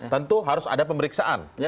tentu harus ada pemeriksaan